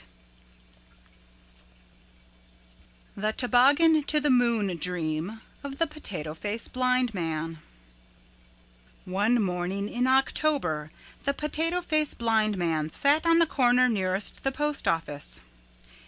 The Toboggan to the Moon Dream of the Potato Face Blind Man One morning in October the Potato Face Blind Man sat on the corner nearest the postoffice.